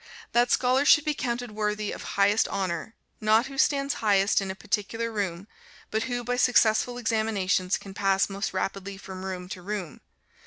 That scholar should be counted worthy of highest honor, not who stands highest in a particular room, but who by successful examinations can pass most rapidly from room to room.